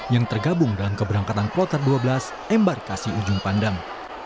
yang tergabung dalam keberangkatan kloter dua belas embarkasi ujung pandang